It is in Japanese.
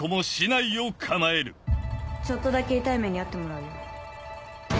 ちょっとだけ痛い目に遭ってもらうよ。